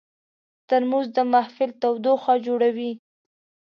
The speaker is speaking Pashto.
ترموز د محفل تودوخه جوړوي.